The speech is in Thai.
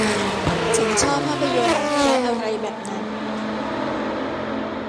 ฉันชอบภาพยนตร์และอะไรแบบนั้น